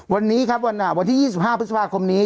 วันนี้ครับวันอ่ะวันที่ยี่สิบห้าพฤษภาคมนี้